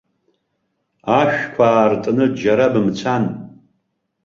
Ашәқәа аартны џьара бымцан.